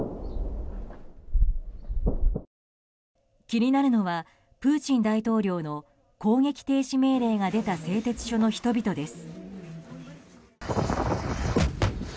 気になるのはプーチン大統領の攻撃停止命令が出た製鉄所の人々です。